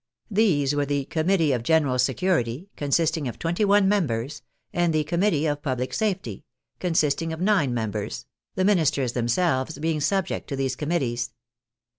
These were the " Committee of General Se curity," consisting of twenty one members, and the " Committee of Public Safety," consisting of nine mem bers, the ministers themselves being subject to these Com mittees.